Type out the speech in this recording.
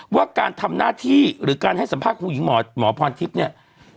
ว่าการทำหน้าที่หรือการให้สัมภาษณ์ของหญิงหมอพรทิพย์เนี่ย